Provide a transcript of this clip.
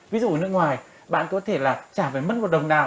ví dụ ở nước ngoài bạn có thể là trả phải mất một đồng nào